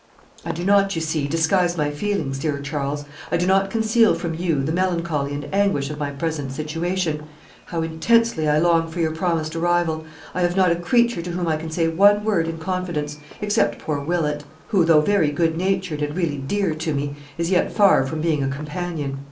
"I do not, you see, disguise my feelings, dear Charles; I do not conceal from you the melancholy and anguish of my present situation. How intensely I long for your promised arrival. I have not a creature to whom I can say one word in confidence, except poor Willett; who, though very good natured, and really dear to me, is yet far from being a companion.